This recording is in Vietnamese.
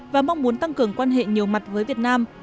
và mong muốn tăng cường quan hệ nhiều mặt với việt nam